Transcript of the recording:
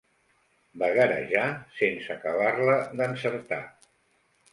Vagarejar sense acabar-la d'encertar.